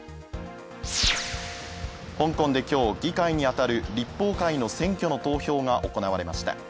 香港で今日、議会にあたる立法会の選挙の投票が行われました。